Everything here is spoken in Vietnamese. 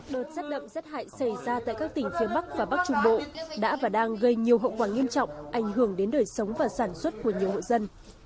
đợt rét đậm rét hại xảy ra tại các tỉnh phía bắc và bắc trung bộ đã và đang gây nhiều hậu quả nghiêm trọng ảnh hưởng đến đời sống và sản xuất của nhiều hộ dân